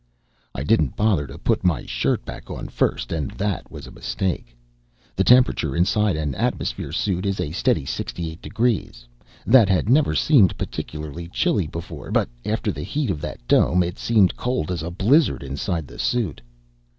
I didn't bother to put my shirt back on first, and that was a mistake. The temperature inside an atmosphere suit is a steady sixty eight degrees. That had never seemed particularly chilly before, but after the heat of that dome, it seemed cold as a blizzard inside the suit.